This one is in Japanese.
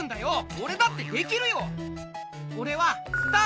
オレだってできるよ！